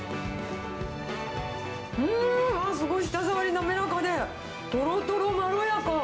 うーん、あっ、すごい舌触り滑らかで、とろとろ、まろやか。